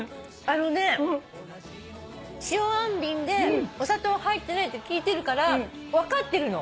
あのね塩あんびんでお砂糖入ってないって聞いてるから分かってるの。